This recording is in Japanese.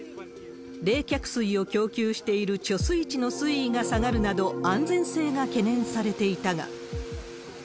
冷却水を供給している貯水池の水位が下がるなど、安全性が懸念されていたが。